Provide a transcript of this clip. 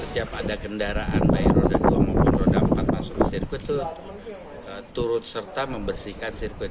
tiap ada kendaraan baik roda dua maupun roda empat masuk ke sirkuit itu turut serta membersihkan sirkuit